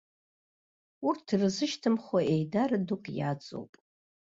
Урҭ ирзышьҭымхуа еидара дук иаҵоуп.